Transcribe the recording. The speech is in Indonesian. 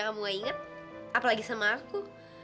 kamu gak inget apalagi sama aku